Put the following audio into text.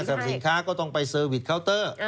สินค้าก็ต้องไปเซอร์วิสเคาน์เตอร์